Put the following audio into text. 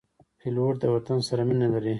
پیلوټ د وطن سره مینه لري.